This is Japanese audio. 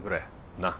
なっ？